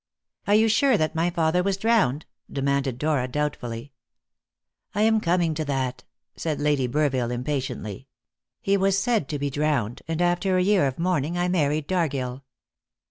"Are you sure that my father was drowned?" demanded Dora doubtfully. "I am coming to that," said Lady Burville impatiently. "He was said to be drowned; and after a year of mourning I married Dargill."